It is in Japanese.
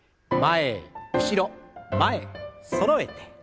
前後ろ前そろえて。